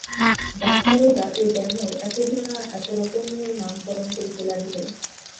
ডাক্তারেরা এ ব্যামোর একোজনা একোরকমের নামকরণ করিতে লাগিল।